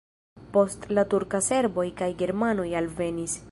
Post la turka serboj kaj germanoj alvenis.